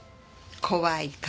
怖い顔。